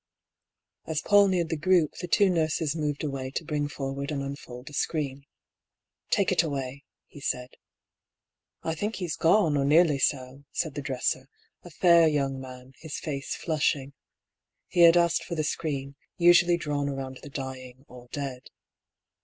As PauU neared the group the two nurses moved away to bring forward and unfold a screen. " Take it away," he said. " I think he's gone, or nearly so," said the dresser, a fair young man, his face flushing. He had asked for the screen, usually drawn around the dying or dead.